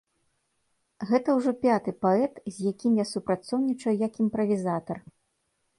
Гэта ўжо пяты паэт, з якім я супрацоўнічаю, як імправізатар.